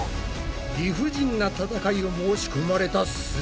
理不尽な戦いを申し込まれたす